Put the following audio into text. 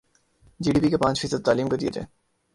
جی D P کا پانچ فیصد تعلیم کو دیا جائے